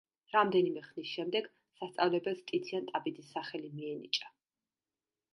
რამდენიმე ხნის შემდეგ სასწავლებელს ტიციან ტაბიძის სახელი მიენიჭა.